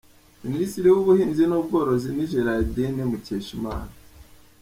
Ministre w’ubuhinzi n’ubworozi ni Géraldine Mukeshimana